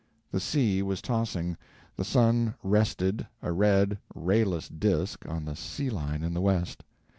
The sea was tossing; the sun rested, a red, rayless disk, on the sea line in the west.